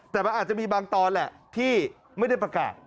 แต่มันอาจจะมีบางตอนแหละที่ไม่ได้ประกาศ